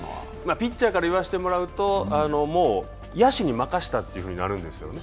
ピッチャーから言わせてもらう、野手に任せたとなるんですよね。